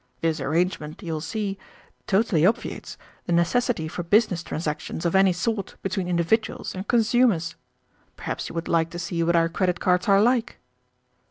This arrangement, you will see, totally obviates the necessity for business transactions of any sort between individuals and consumers. Perhaps you would like to see what our credit cards are like.